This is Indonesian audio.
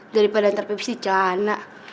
daripada ntar pepsi cana